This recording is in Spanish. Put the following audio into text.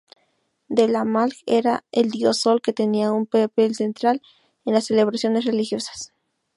Dela-Malj era el dios sol, que tenía un papel central en las celebraciones religiosas.